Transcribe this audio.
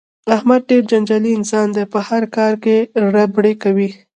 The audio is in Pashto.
احمد ډېر جنجالي انسان دی په هر کار کې ربړې کوي.